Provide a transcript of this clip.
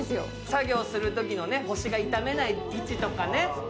作業するときに腰を痛めない位置とかね。